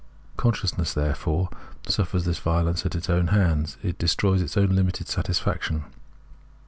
Conscious ness, therefore, suffers this violence at its own hands ; it destroys its own limited satisfaction.